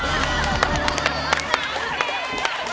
残念！